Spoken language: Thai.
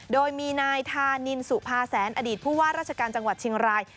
โดยมีนายธานินสุภาแสนอดีตผู้ว่าราชการจังหวัดเชียงราย